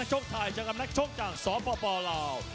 นักโชคไทยจากกับนักโชคจังสอบป่อป่าวราว